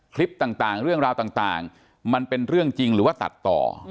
คลิปต่างเรื่องราวต่างมันเป็นเรื่องจริงหรือว่าตัดต่อ